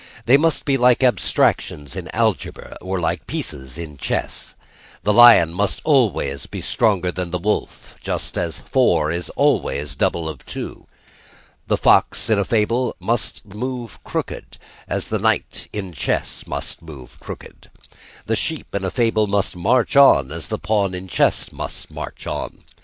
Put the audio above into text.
They must be like abstractions in algebra, or like pieces in chess. The lion must always be stronger than the wolf, just as four is always double of two. The fox in a fable must move crooked, as the knight in chess must move crooked. The sheep in a fable must march on, as the pawn in chess must march on.